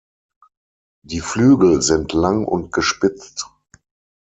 Die Flügel sind lang und gespitzt.